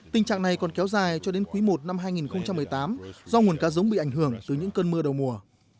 tình trạng này còn kéo dài cho đến quý i năm hai nghìn một mươi tám do nguồn cá giống bị ảnh hưởng từ những cơn mưa đầu mùa